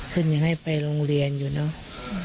ขึ้นอย่างให้ไปโรงเรียนอยู่เนาะ